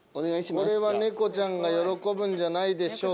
これは猫ちゃんが喜ぶんじゃないでしょうか。